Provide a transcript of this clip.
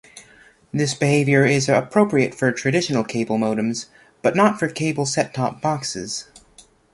This behavior is appropriate for traditional cable modems, but not for cable set-top boxes.